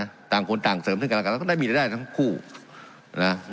ต่างคนต่างเสริมซึ่งกันแล้วกันแล้วก็ได้มีรายได้ทั้งคู่นะ